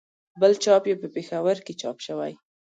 بل چاپ یې په پېښور کې چاپ شوی.